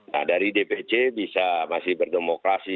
nah dari dpc bisa masih berdemokrasi